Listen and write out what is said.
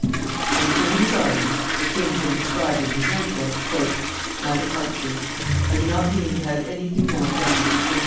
On quitting his army, the king had inscribed in his notebook, "My departure. I do not mean to have anything more done."